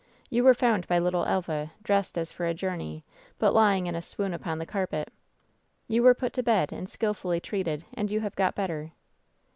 You were found by little Elva, dressed as for a journey, but lying in a swoon upon the carpet. You were put to bed and skilfully treated, and you have got better."